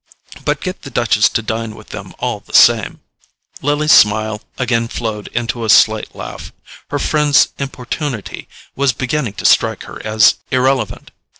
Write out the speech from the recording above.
"But get the Duchess to dine with them all the same." Lily's smile again flowed into a slight laugh: her friend's importunity was beginning to strike her as irrelevant.